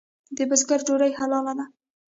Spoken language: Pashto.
د بزګر ډوډۍ حلاله ده؟